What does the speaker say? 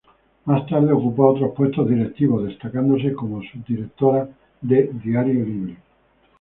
Más tarde ocupó otros puestos directivos, destacándose como subdirectora de Diario Libre.